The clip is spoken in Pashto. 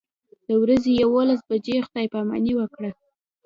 د ورځې یوولس بجې خدای پاماني وکړه.